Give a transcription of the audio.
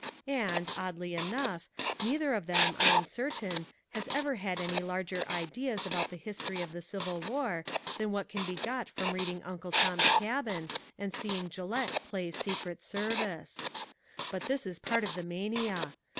And, oddly enough, neither of them, I am certain, has ever had any larger ideas about the history of the Civil War than what can be got from reading Uncle Tom's Cabin and seeing Gillette play Secret Service. But this is part of the mania.